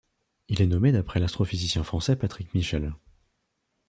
Il est nommé d'après l'astrophysicien français Patrick Michel.